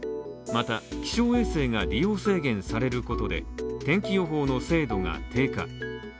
また、気象衛星が利用制限されることで、天気予報の精度が低下。